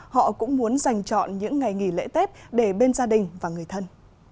họ cũng muốn dành chọn những ngày nghỉ lễ tết để bên gia đình và người thân